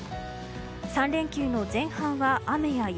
３連休の前半は雨や雪。